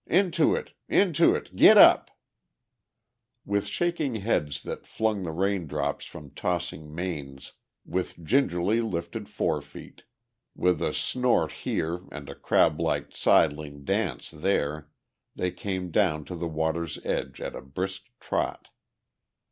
Into it; into it; get up!" With shaking heads that flung the raindrops from tossing manes, with gingerly lifted forefeet, with a snort here and a crablike sidling dance there, they came down to the water's edge at a brisk trot.